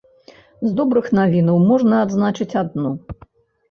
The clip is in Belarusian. З добрых навінаў можна адзначыць адну.